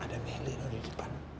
ada melly lagi di depan